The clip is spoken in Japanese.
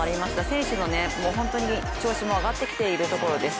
選手の調子も上がってきているところです。